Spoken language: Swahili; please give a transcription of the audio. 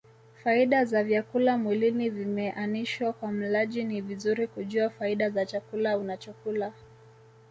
Faida za vyakula mwilini vimeanishwa Kwa mlaji ni vizuri kujua faida za chakula unachokula